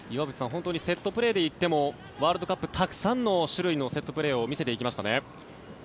本当にセットプレーで言ってもワールドカップたくさんの種類のセットプレーを見せていきましたね。